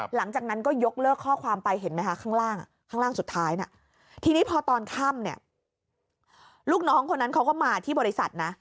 หลังจากนั้นก็ยกเลิกข้อความไปเห็นไหมคะข้างล่างข้างล่างสุดท้ายนะทีนี้พอตอนค่ำเนี่ยลูกน้องคนนั้นเขาก็มาที่บริษัทนะ